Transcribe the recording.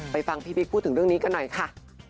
ฟังพี่บิ๊กพูดถึงเรื่องนี้กันหน่อยค่ะ